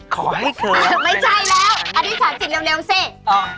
ขอให้เธอไม่ใช่แล้วอธิษฐานจิตเร็วสิอ๋อ